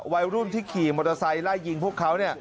วัยรุ่นที่ขี่มอเตอร์ไซค์ไล่ยิงพวกเขา